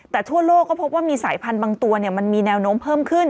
แต่ทั่วโลกก็พบว่ามีสายพันธุ์บางตัวมันมีแนวโน้มเพิ่มขึ้น